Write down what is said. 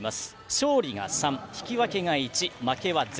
勝利が３、引き分けが１負けは０。